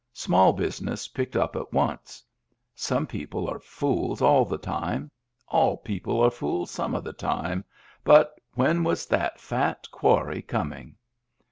Small business picked up at once. Some people are fools all the time, all people are fools some of the time — but when was the fat quarry coming